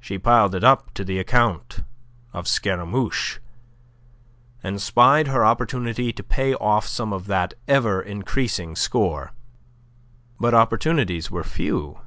She piled it up to the account of Scaramouche, and spied her opportunity to pay off some of that ever increasing score. But opportunities were few.